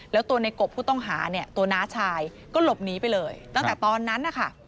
แล้วตัวในกบผู้ต้องหาเนี่ยตัวน้าชายก็หลบหนีไปเลยตั้งแต่ตอนนั้นนะคะ